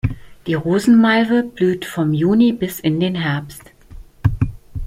Die Rosen-Malve blüht vom Juni bis in den Herbst.